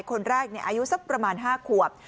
คนแรกอายุสักประมาณ๕ขวบ